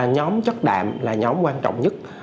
nhóm chất đạm là nhóm quan trọng nhất